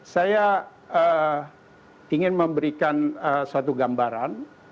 saya ingin memberikan suatu gambaran